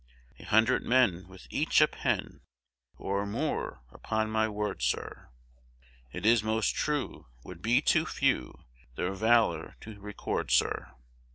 A hundred men, with each a pen, Or more, upon my word, Sir, It is most true, would be too few, Their valor to record, Sir.